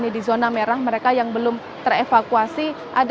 di zona merah mereka yang belum terevakuasi